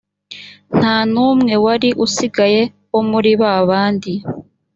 nta n’umwe wari usigaye wo muri ba bandi.